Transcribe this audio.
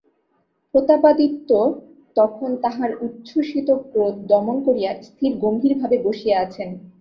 প্রতাপাদিত্য তখন তাঁহার উচ্ছ্বসিত ক্রোধ দমন করিয়া স্থির গম্ভীরভাবে বসিয়া আছেন।